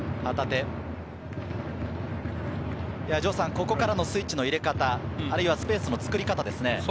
ここからのスイッチの入れ方、あるいはスペースの作り方ですね。